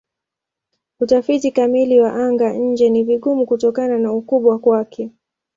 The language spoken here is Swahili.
Utafiti kamili wa anga-nje ni vigumu kutokana na ukubwa wake.